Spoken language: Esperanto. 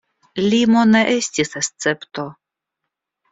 Limo ne estis escepto.